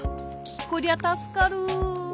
こりゃたすかる。